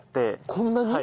こんなに？